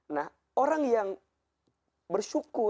nah orang yang bersyukur